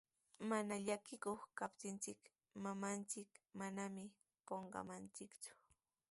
Mana llakikuq kaptinchik, mamanchik manami qunqamanchikku.